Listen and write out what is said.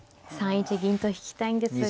３一銀と引きたいんですが。